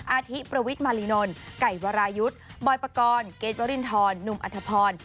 อาทิประวิทมารีนนท์ไก่วรายุทธ์บอยปกรณ์เกรทวรินทรหนุ่มอัธพร